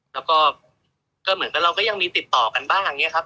แล้วก็ก็เหมือนกับเราก็ยังมีติดต่อกันบ้างอย่างนี้ครับ